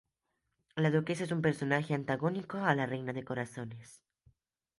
La Duquesa es un personaje antagónico a la Reina de Corazones.